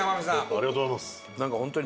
ありがとうございます。